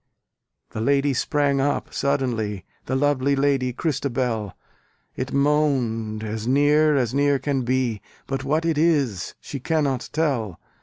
The lady sprang up suddenly, The lovely lady, Christabel! It moaned as near, as near can be, But what it is, she cannot tell.